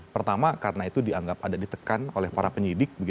pertama karena itu dianggap ada ditekan oleh para penyidik